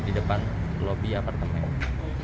di depan lobi apartemen